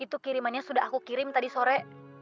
itu kirimannya sudah aku kirim tadi sore